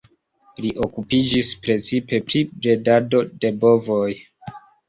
Li okupiĝis precipe pri bredado de bovoj.